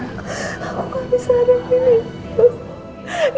aku gak bisa ada ini ramos